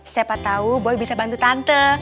siapa tahu boy bisa bantu tante tante